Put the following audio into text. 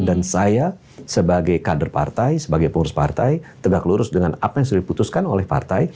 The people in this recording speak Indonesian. dan saya sebagai kader partai sebagai pengurus partai tegak lurus dengan apa yang sudah diputuskan oleh partai